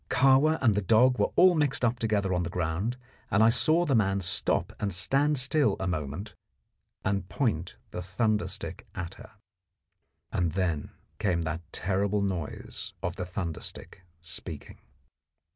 Kahwa and the dog were all mixed up together on the ground, and I saw the man stop and stand still a moment and point the thunder stick at her. And then came that terrible noise of the thunder stick speaking.